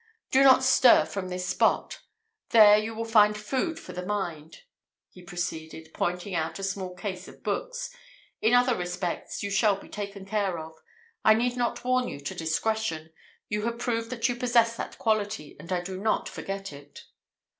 Do not stir from this spot. There, you will find food for the mind," he proceeded, pointing out a small case of books; "in other respects, you shall be taken care of. I need not warn you to discretion. You have proved that you possess that quality, and I do not forget it."